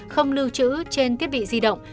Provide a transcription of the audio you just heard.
không lưu trữ trên thiết bị di động